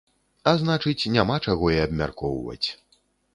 А значыць, няма чаго і абмяркоўваць.